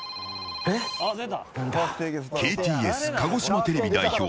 ＫＴＳ鹿児島テレビ代表